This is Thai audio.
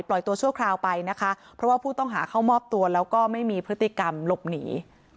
ตัวชั่วคราวไปนะคะเพราะว่าผู้ต้องหาเข้ามอบตัวแล้วก็ไม่มีพฤติกรรมหลบหนี